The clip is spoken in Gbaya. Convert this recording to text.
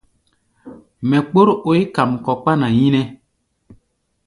Mɛ kpór oí kam kɔ kpána yínɛ́.